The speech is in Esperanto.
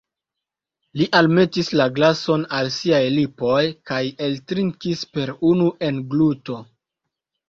Li almetis la glason al siaj lipoj, kaj eltrinkis per unu engluto.